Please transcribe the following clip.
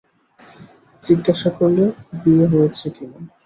জিজ্ঞাসা করলে বিয়ে হয়েছে কি না।